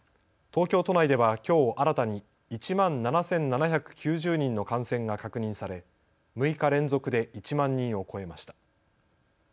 東京都内ではきょう新たに１万７７９０人の感染が確認され６日連続で１万人を超えました。